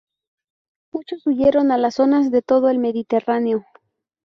Muchos huyeron a las zonas de todo el Mediterráneo.